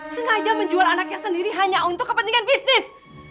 sengaja menjual anaknya sendiri hanya untuk kepentingan bisnis